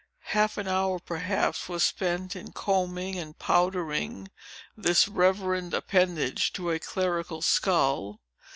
Half an hour, perhaps, was spent in combing and powdering this reverend appendage to a clerical skull.